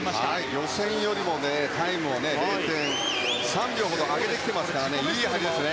予選よりもタイムを０．３秒ほど上げてきていますからいい入りですね。